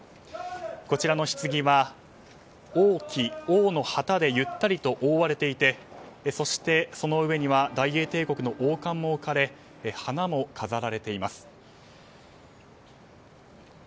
こちらのひつぎは王旗王の旗で覆われていてそして、その上には大英帝国の王冠も置かれ花も飾られています。